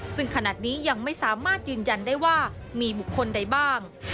ซึ่งขณะนี้ยังไม่สามารถยืนยันได้ว่ามีบุคคลใดบ้าง